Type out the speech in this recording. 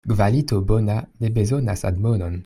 Kvalito bona ne bezonas admonon.